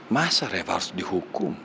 masa reva harus dihukum